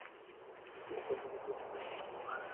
তবে পার্থক্য হলো, সূর্যের বিপক্ষে কেউ অবস্থান নেয় না।